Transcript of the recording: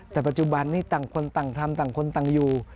แต่ปัจจุบันนี้ต่างคนต่างทำต่างคนต่างอยู่